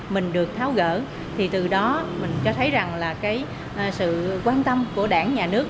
mình được tháo gỡ thì từ đó mình cho thấy rằng là cái sự quan tâm của đảng nhà nước